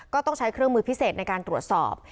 ก็ต้องใช้เครื่องมือพิเศษในการตรวจสอบ